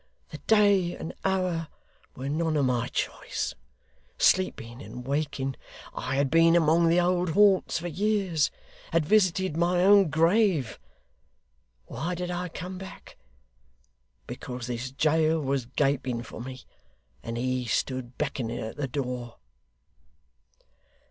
The day and hour were none of my choice. Sleeping and waking, I had been among the old haunts for years had visited my own grave. Why did I come back? Because this jail was gaping for me, and he stood beckoning at the door.